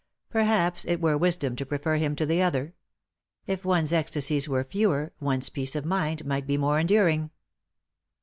Perhaps it were wisdom to prefer him to the other. If one's ecstasies were fewer, one's peace of mind might be more enduring.